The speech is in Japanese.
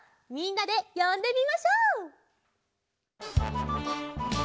みんなでよんでみましょう！